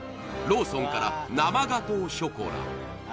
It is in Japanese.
ローソンから生ガトーショコラ